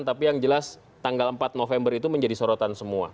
tapi yang jelas tanggal empat november itu menjadi sorotan semua